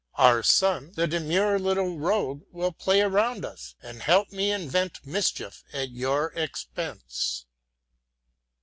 Our son, the demure little rogue, will play around us, and help me invent mischief at your expense.